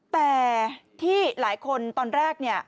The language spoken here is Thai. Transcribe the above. แต่ที่หลายคนตอนแรก